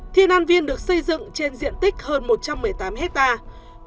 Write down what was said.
thiên an viên được xây dựng trên diện tích hơn một trăm một mươi tám hectare